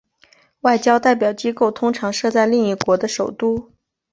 外交代表机构通常设在另一国的首都。